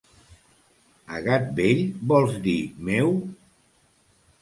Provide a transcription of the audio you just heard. A gat vell vols dir meu?